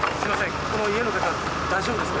ここの家の方大丈夫ですか。